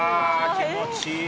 気持ちいいね。